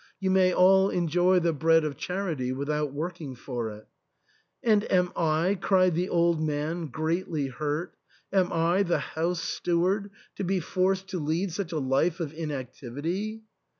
You may all enjoy the bread of charity without working for it" " And am I," cried the old man, greatly hurt, "am I, the house steward, to be forced to lead such a life of inactivity?"